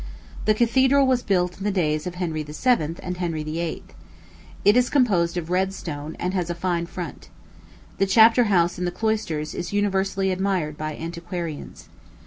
The cathedral was built in the days of Henry VII. and Henry VIII. It is composed of red stone, and has a fine front. The chapter house in the cloisters is universally admired by antiquarians.